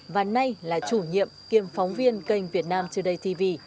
và nay là chủ nhiệm kiêm phóng viên kênh vietnam today tv